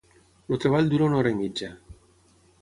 El treball dura una hora i mitja.